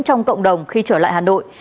trong cộng đồng khi trở lại hà nội